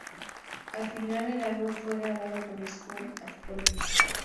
Al final, el álbum fue grabado con Steve Osborne.